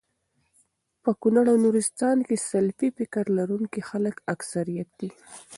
په کونړ او نورستان کي د سلفي فکر لرونکو خلکو اکثريت دی